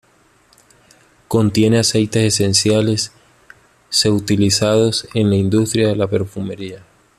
Contiene aceites esenciales se utilizados en la industria de la perfumería.